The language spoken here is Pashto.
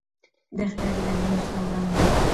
د اختر د لمونځ نه وړاندې